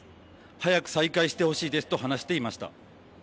早く再開してほしいですと話していました。